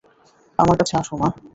আমার কাছে আসো, মা।